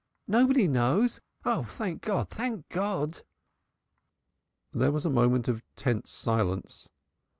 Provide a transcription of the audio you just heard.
Nobody knows. Oh, thank God! thank God!" There was a moment of tense silence.